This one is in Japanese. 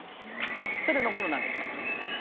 さて残りはなんでしょうか。